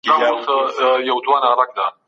د ځمکي پر مخ امن او امان راولئ.